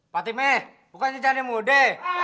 fatime bukannya jenis muda